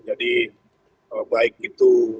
jadi baik itu